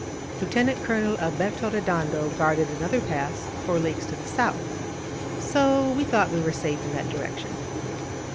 Lieutenant Colonel Alberto Redondo guarded another pass four leagues to the south, so we thought we were safe in that direction.